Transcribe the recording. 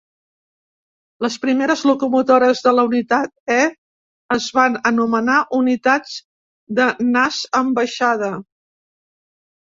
Les primeres locomotores de la unitat E es van anomenar unitats de "nas en baixada".